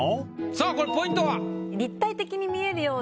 さあこれポイントは？